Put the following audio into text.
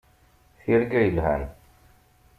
Tirga yelhan.